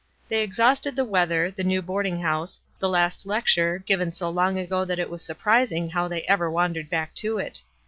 They exhausted the weather, the new boarding house, the last lecture, given so long ago that it was surprising how they ever wandered back to it.